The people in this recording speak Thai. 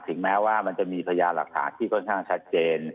แม้ว่ามันจะมีพยานหลักฐานที่ค่อนข้างชัดเจน